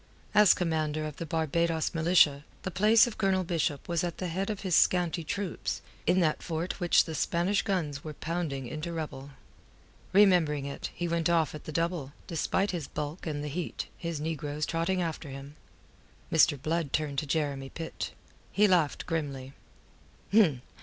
As commander of the Barbados Militia, the place of Colonel Bishop was at the head of his scanty troops, in that fort which the Spanish guns were pounding into rubble. Remembering it, he went off at the double, despite his bulk and the heat, his negroes trotting after him. Mr. Blood turned to Jeremy Pitt. He laughed grimly.